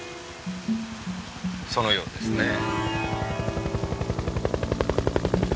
そのようですねぇ。